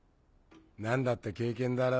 何だって経験だろ？